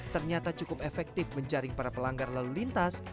ternyata cukup efektif menjaring para pelanggar lalu lintas